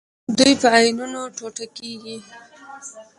دوی په آیونونو ټوټه کیږي.